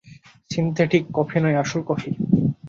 Synthetic coffee নয়, আসল coffee.